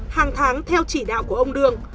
hàng tháng theo chỉ đạo của ông đương